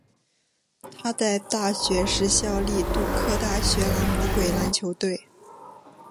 他在大学时效力杜克大学蓝魔鬼篮球队。